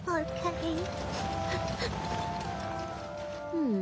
うん。